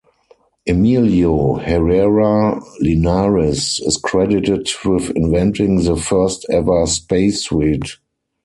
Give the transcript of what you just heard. Emilio Herrera Linares is credited with inventing the first ever spacesuit.